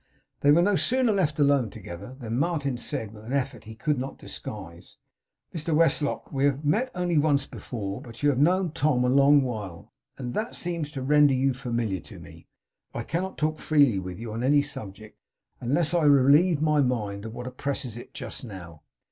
They were no sooner left alone together than Martin said, with an effort he could not disguise: 'Mr Westlock, we have met only once before, but you have known Tom a long while, and that seems to render you familiar to me. I cannot talk freely with you on any subject unless I relieve my mind of what oppresses it just now.